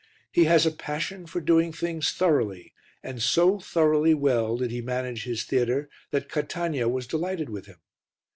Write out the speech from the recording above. He has a passion for doing things thoroughly, and so thoroughly well did he manage his theatre that Catania was delighted with him.